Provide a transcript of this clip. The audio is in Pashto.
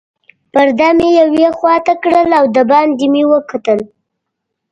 پرده مې یوې خواته کړل او دباندې مې وکتل.